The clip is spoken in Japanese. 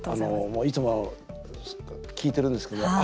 いつも、聴いてるんですけど。